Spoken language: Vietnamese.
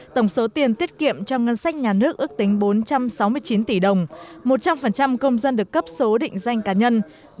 tổng số tiền tiết kiệm trong ngân sách nhà nước ước tính bốn trăm sáu mươi chín tỷ đồng một trăm linh công dân được cấp số định danh cá nhân